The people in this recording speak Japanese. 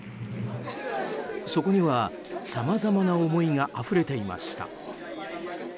そこにはさまざまな思いがあふれていました。